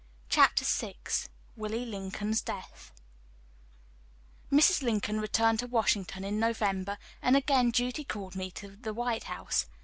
CHAPTER VI WILLIE LINCOLN'S DEATH BED Mrs. Lincoln returned to Washington in November, and again duty called me to the White House.